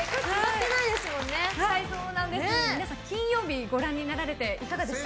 皆さん、金曜日ご覧になられていかがでした？